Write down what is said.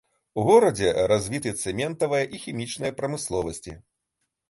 У горадзе развіты цэментавая і хімічная прамысловасці.